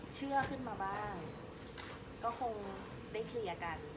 เชื่อขึ้นมาบ้างก็คงได้เคลียร์กัน